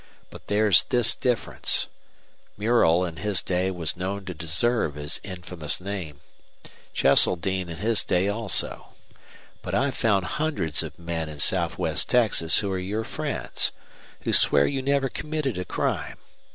But there's this difference. Murrell in his day was known to deserve his infamous name. Cheseldine in his day also. But I've found hundreds of men in southwest Texas who're your friends, who swear you never committed a crime.